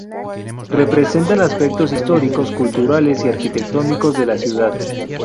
Representan aspectos históricos, culturales y arquitectónicos de la ciudad.